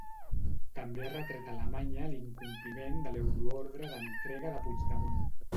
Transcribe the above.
També ha retret a Alemanya l'incompliment de l'euroordre d'entrega de Puigdemont.